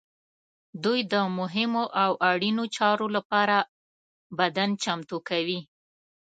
دوی د مهمو او اړینو چارو لپاره بدن چمتو کوي.